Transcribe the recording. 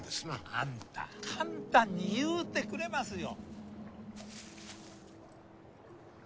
アンタ簡単に言うてくれますよ！